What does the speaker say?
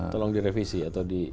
tolong direvisi atau di